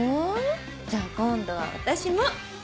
じゃあ今度は私も！